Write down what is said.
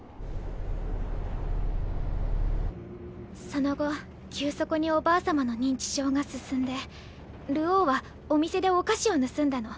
その後急速におばあ様の認知症が進んで流鶯はお店でお菓子を盗んだの。